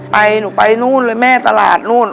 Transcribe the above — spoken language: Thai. ไปหนูไปนู่นเลยแม่ตลาดนู่น